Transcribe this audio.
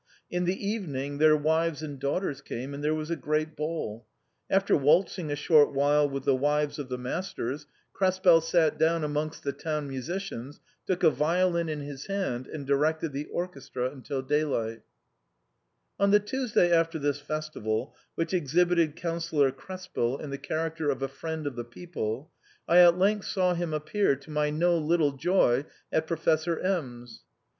In the evening their wives and daughters came, and there was a great ball After waltzing a short while with the wives of the masters, Krespel sat down amongst the town musicians, took a vio lin in his hand, and directed the orchestra until daylight On the Tuesday after this festival, which exhibited Councillor Krespel in the character of a friend of the people, I at length saw him appear, to my no little joy, at Professor M 's.